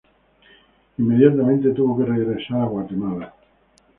Inmediatamente tuvo que regresar a Guatemala.